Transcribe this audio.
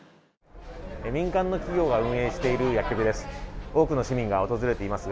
民間の企業が運営している薬局です。